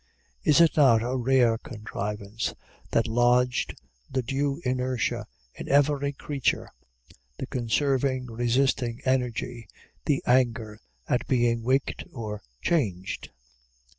Is it not a rare contrivance that lodged the due inertia in every creature, the conserving, resisting energy, the anger at being waked or changed?